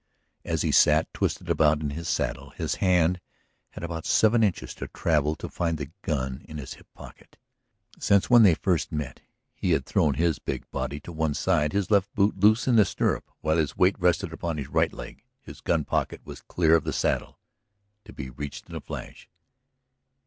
As he sat, twisted about in his saddle, his hand had about seven inches to travel to find the gun in his hip pocket. Since, when they first met, he had thrown his big body to one side, his left boot loose in its stirrup while his weight rested upon his right leg, his gun pocket was clear of the saddle, to be reached in a flash.